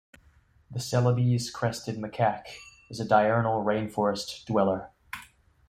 The Celebes crested macaque is a diurnal rain forest dweller.